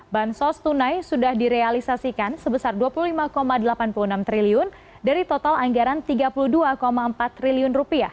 bansos tunai sudah direalisasikan sebesar rp dua puluh lima delapan puluh enam triliun dari total anggaran rp tiga puluh dua empat triliun